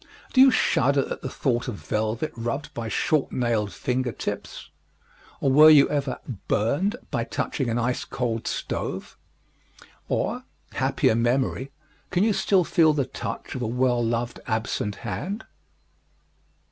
Do you shudder at the thought of velvet rubbed by short nailed finger tips? Or were you ever "burned" by touching an ice cold stove? Or, happier memory, can you still feel the touch of a well loved absent hand?